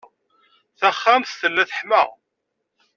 Taxxamt tella teḥma.